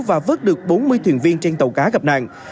và vớt được bốn mươi thuyền viên trên tàu cá gặp nạn